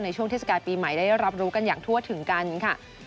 ช่วงเทศกาลปีใหม่ได้รับรู้กันอย่างทั่วถึงกันค่ะ